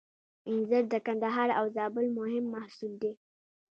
انځر د کندهار او زابل مهم محصول دی.